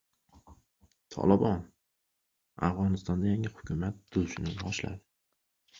«Tolibon» Afg‘onistonda yangi hukumat tuzishni boshladi